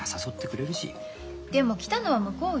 でも来たのは向こうよ。